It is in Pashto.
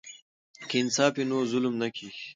که انصاف وي نو ظلم نه کیږي.